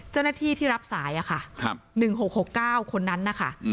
เจ้าหน้าที่ที่รับสายค่ะ๑๖๖๙คนนั้นนะคะ